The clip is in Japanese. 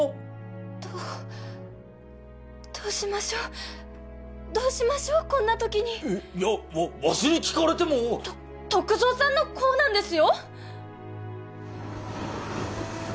どうどうしましょうどうしましょうこんなときにいやわしに聞かれても篤蔵さんの子なんですよ！